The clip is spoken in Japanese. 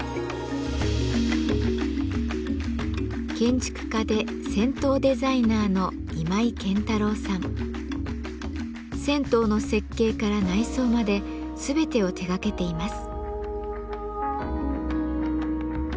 建築家で銭湯デザイナーの銭湯の設計から内装まで全てを手がけています。